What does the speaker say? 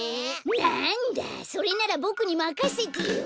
なんだそれならボクにまかせてよ。